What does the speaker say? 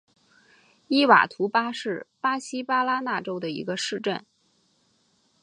伊瓦图巴是巴西巴拉那州的一个市镇。